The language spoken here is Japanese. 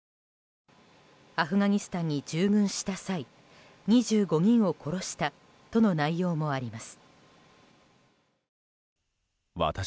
アフガニスタンに従軍した際２５人を殺したとの内容もあります。